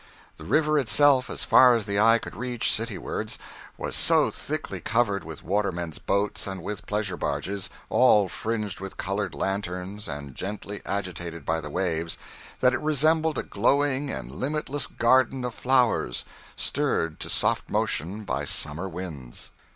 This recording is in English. The river itself, as far as the eye could reach citywards, was so thickly covered with watermen's boats and with pleasure barges, all fringed with coloured lanterns, and gently agitated by the waves, that it resembled a glowing and limitless garden of flowers stirred to soft motion by summer winds.